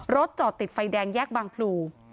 จอดติดไฟแดงแยกบางพลู